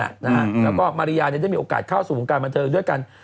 แล้วก็มาริยาได้มีโอกาสเข้าสู่วงการบันเทิงด้วยกัน